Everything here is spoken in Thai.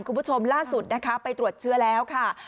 คุณผู้ชมล่าสุดนะคะไปตรวจเชื้อแล้วค่ะ